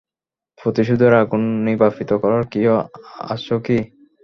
প্রতিশোধের আগুন নির্বাপিত করার কেউ আছ কি?